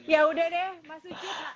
ya udah deh mas uci